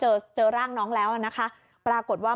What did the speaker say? ป้าของน้องธันวาผู้ชมข่าวอ่อน